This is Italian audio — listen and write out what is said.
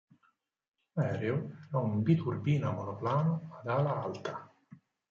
L'aereo era un Bi-turbina monoplano ad ala alta.